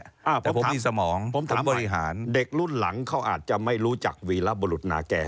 เพราะผมมีสมองผมถามบริหารเด็กรุ่นหลังเขาอาจจะไม่รู้จักวีรบุรุษนาแก่